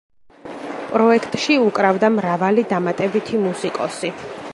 პროექტში უკრავდა მრავალი დამატებითი მუსიკოსი.